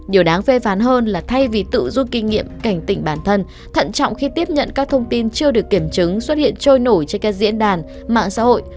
điều đáng phê phán hơn là thay vì tự rút kinh nghiệm cảnh tỉnh bản thân thận trọng khi tiếp nhận các thông tin chưa được kiểm chứng xuất hiện trôi nổi trên các diễn đàn mạng xã hội